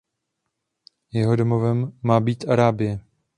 Jeho domovem má být Arábie.